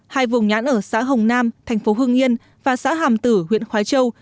hai vùng nhãn ở xã hồng nam thành phố hưng yên và xã hàm tử huyện khói châu